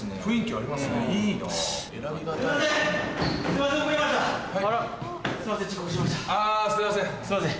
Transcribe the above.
あすいません。